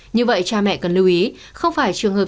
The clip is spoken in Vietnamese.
như vậy cha mẹ cần lưu ý không phải trường hợp